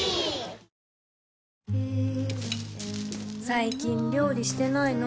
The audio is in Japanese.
最近料理してないの？